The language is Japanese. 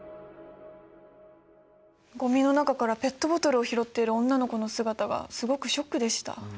ゴミの中からペットボトルを拾っている女の子の姿がすごくショックでした。